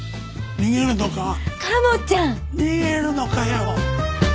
逃げるのかよ！